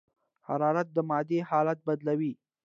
حرارت د مادې حالت بدلوي.